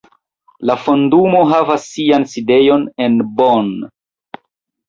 La Fondumo havas sian sidejon en Bonn.